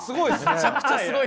めちゃくちゃすごいですね。